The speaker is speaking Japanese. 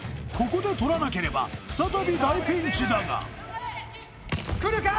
ここで取らなければ再び大ピンチだがくるか？